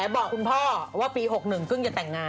บอกคุณพ่อว่าปี๖๑เพิ่งจะแต่งงาน